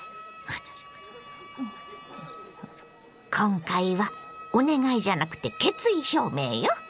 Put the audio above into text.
今回はお願いじゃなくて決意表明よ。